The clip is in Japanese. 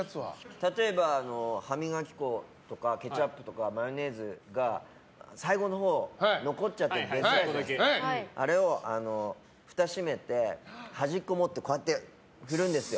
例えば、歯磨き粉とかケチャップとかマヨネーズが最後のほう残っちゃって出づらい時あれを、ふた閉めて端っこ持って振るんですよ。